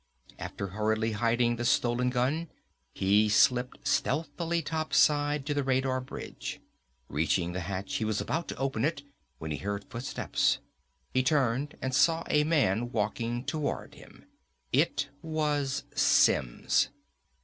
After hurriedly hiding the stolen gun, he slipped stealthily topside to the radar bridge. Reaching the hatch, he was about to open it, when he heard footsteps. He turned and saw a man walking toward him. It was Simms!